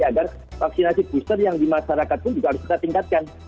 agar vaksinasi booster yang di masyarakat pun juga harus kita tingkatkan